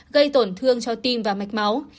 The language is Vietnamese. gây tổn thương cho tim và mạch máu